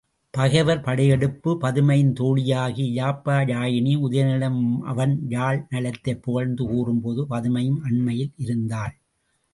பகைவர் படையெடுப்பு பதுமையின் தோழியாகிய யாப்பியாயினி, உதயணனிடம் அவன் யாழ் நலத்தைப் புகழ்ந்து கூறும்போது பதுமையும் அண்மையில் இருந்தாள்.